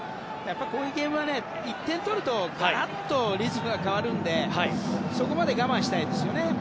やっぱりね、こういうゲームは１点取るとガラッとリズムが変わるのでそこまで我慢したいですよね